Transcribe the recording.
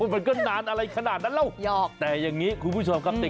มันก็นานอะไรขนาดนั้นแล้วหอกแต่อย่างนี้คุณผู้ชมครับ